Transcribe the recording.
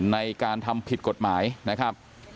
ในการทำผิดกฎหมายนะครับ